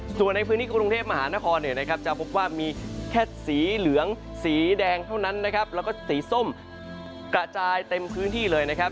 ส่วนในพื้นที่กรุงเทพมหานครเนี่ยนะครับจะพบว่ามีแค่สีเหลืองสีแดงเท่านั้นนะครับแล้วก็สีส้มกระจายเต็มพื้นที่เลยนะครับ